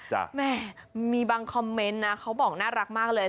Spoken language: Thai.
แม่มีบางคอมเมนต์นะเขาบอกน่ารักมากเลย